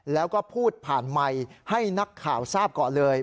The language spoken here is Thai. แล้วก็พูดผ่านไมค์ให้นักข่าวทราบก่อนเลย